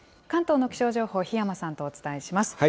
関東の気象情報、檜山さんとお伝えします。